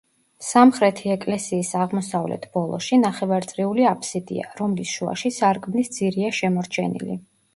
სამხრეთი ეკლესიის აღმოსავლეთ ბოლოში ნახევარწრიული აფსიდია, რომლის შუაში სარკმლის ძირია შემორჩენილი.